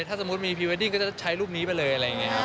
ถ้าสมมุติมีพรีเวดดิ้งก็จะใช้รูปนี้ไปเลยอะไรอย่างนี้ครับ